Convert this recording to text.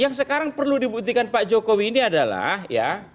yang sekarang perlu dibuktikan pak jokowi ini adalah ya